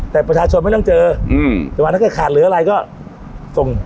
แต่ประชาชนไม่ต้องเจออืมจังหวะถ้าเกิดขาดเหลืออะไรก็ส่ง